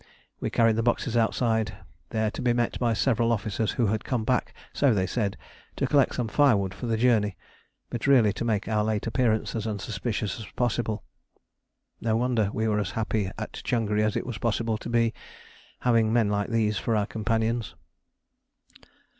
We carried the boxes outside, there to be met by several officers who had come back, so they said, to collect some firewood for the journey, but really to make our late appearance as unsuspicious as possible. No wonder we were as happy at Changri as it was possible to be, having men like these for our companions.